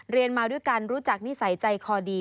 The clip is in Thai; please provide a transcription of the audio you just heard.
เรียนมาด้วยกันรู้จักนิสัยใจคอดี